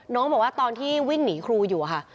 น้องบอกว่าตอนที่วิ่งหนีครูอยู่ค่ะ